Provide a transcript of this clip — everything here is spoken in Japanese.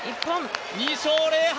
２勝０敗！